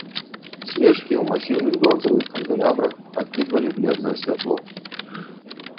Свечкі ў масіўных бронзавых кандэлябрах адкідвалі бледнае святло.